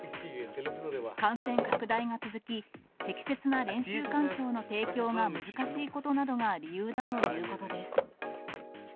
感染拡大が続き、適切な練習環境の提供が難しいことなどが理由だということです。